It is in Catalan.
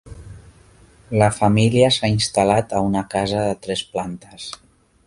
La família s'ha instal·lat a una casa de tres plantes.